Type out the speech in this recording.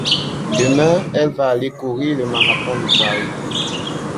Demain, elle va aller courir le marathon de Paris.